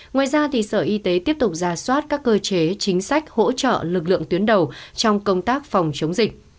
ngoài ra sở y tế tiếp tục ra soát các cơ chế chính sách hỗ trợ lực lượng tuyến đầu trong công tác phòng chống dịch